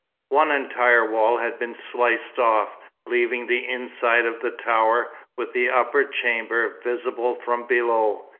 One entire wall had been sliced off, leaving the inside of the tower, with the upper chamber, visible from below.